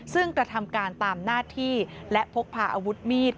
ซึ่งกระทำการตามหน้าที่และพกพาอาวุธมีด